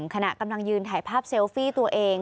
ขณะกำลังยืนถ่ายภาพเซลฟี่ตัวเอง